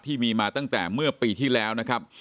ที่มีมาตั้งแต่เมื่อปีที่แล้วนะครับ